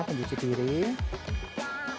ken cuci piring